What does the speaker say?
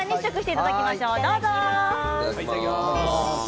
いただきます。